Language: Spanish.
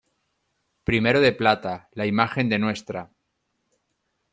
Primero de plata, la imagen de Ntra.